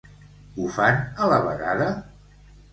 Ho fan a la vegada?